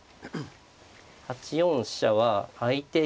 ８四飛車は相手。